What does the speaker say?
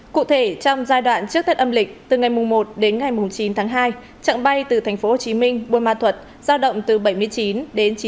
cụ thể trong giai đoạn trước thết âm lịch từ ngày một đến ngày chín tháng hai trận bay từ tp hcm bôn ma thuật giao động từ bảy mươi chín đến chín mươi bốn